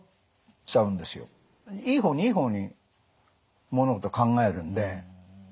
いい方にいい方に物事を考えるんで。